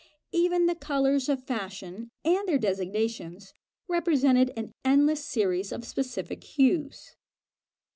Even the colours of fashion and their designations, represented an endless series of specific hues.